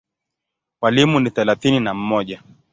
Walimu ni thelathini na mmoja.